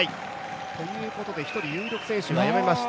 ということで１人有力選手がやめました。